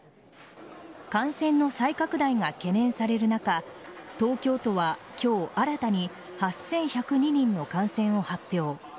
感染の再拡大が懸念される中東京都は今日新たに８１０２人の感染を発表。